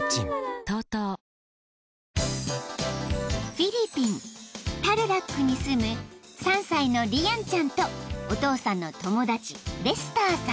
［フィリピンタルラックに住む３歳のリアンちゃんとお父さんの友達レスターさん］